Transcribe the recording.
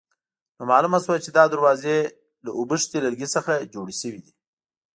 نو معلومه شوه چې دا دروازې له اوبښتي لرګي څخه جوړې شوې دي.